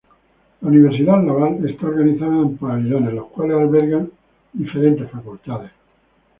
La Universidad Laval está organizada en pabellones, los cuales albergan diferentes facultades.